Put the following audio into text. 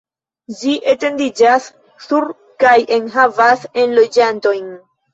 Ĝi etendiĝas sur kaj enhavas enloĝantojn.